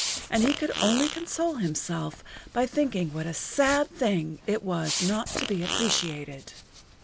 And he could only console himself by thinking what a sad thing it was not to be appreciated.